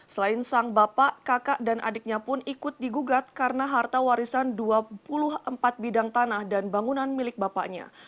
selain sang bapak kakak dan adiknya pun ikut digugat karena harta warisan dua puluh empat bidang tanah dan bangunan milik bapaknya